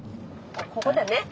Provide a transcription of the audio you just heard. ここだね。